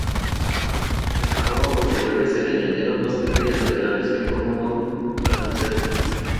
En reformas posteriores se le añadieron dos capillas laterales que forman un transepto.